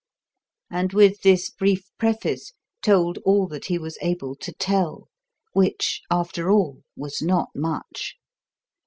And with this brief preface told all that he was able to tell; which, after all, was not much.